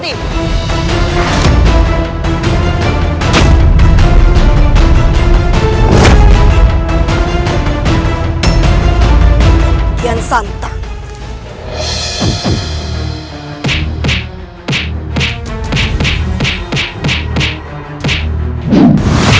saat akibat mereka berdua berdua contoh tanggung tunggu solves